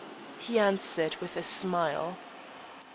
He answered with a smile.